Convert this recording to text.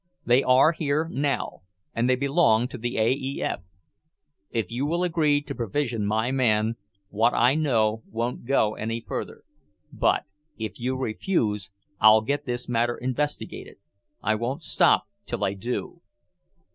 They are here now, and they belong to the A.E.F. If you will agree to provision my man, what I know won't go any further. But if you refuse, I'll get this matter investigated. I won't stop till I do."